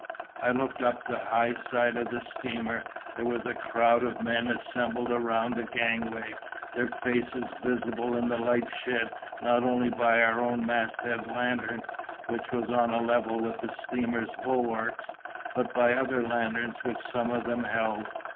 I looked up the high side of the steamer: there was a crowd of men assembled round the gangway, their faces visible in the light shed not only by our own masthead lantern (which was on a level with the steamer's bulwarks), but by other lanterns which some of them held.